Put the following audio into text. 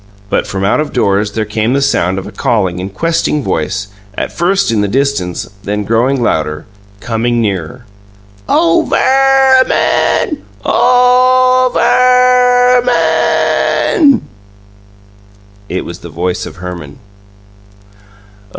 But from out of doors there came the sound of a calling and questing voice, at first in the distance, then growing louder coming nearer. "Oh, Ver er man! O o o oh, Ver er ma a an!" It was the voice of Herman.